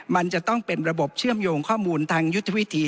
มันจะต้องเป็นระบบเชื่อมโยงข้อมูลทางยุทธวิธี